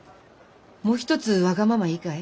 もう一つわがままいいかい？